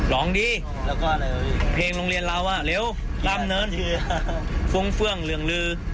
ร้องดิเพลงโรงเรียนเราอะเร็วลำเนินฟ่วงฟ่วงเหลืองลือ